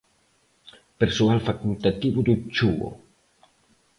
Persoal facultativo do Chuo.